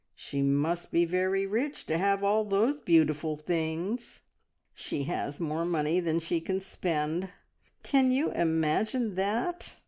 She must be very rich to have all those beautiful things." "She has more money than she can spend. Can you imagine that?